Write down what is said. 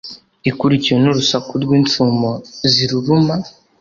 ikurikiwe n’urusaku rw’insumo ziruruma